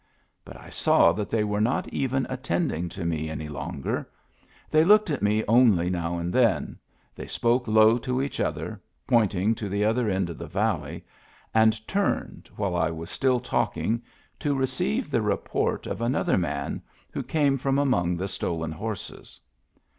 But I saw that they were not even attending to me any longer; they looked at me only now and then, they spoke low to each other, pointing to the other end of the valley, and turned, while I was still talking, to receive the report of another man, who came from among the stolen horses.